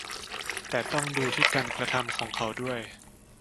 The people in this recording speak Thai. แต่ต้องดูที่การกระทำของเขาด้วย